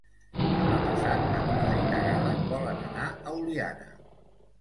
Demà passat na Tura i na Gal·la volen anar a Oliana.